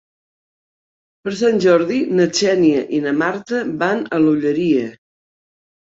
Per Sant Jordi na Xènia i na Marta van a l'Olleria.